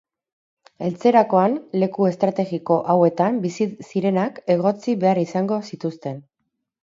Heltzerakoan, leku estrategiko hauetan bizi zirenak egotzi behar izango zituzten.